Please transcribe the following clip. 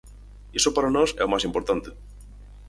Iso para nós é o máis importante.